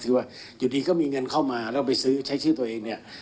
คือว่าอยู่ดีก็มีเงินเข้ามาแล้วไปซื้อใช้ชื่อตัวเองเนี่ย